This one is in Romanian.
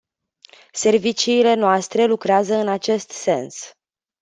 Serviciile noastre lucrează în acest sens.